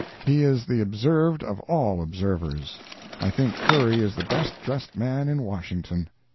He is the observed of all observers. I think Curry is the best dressed man in Washington.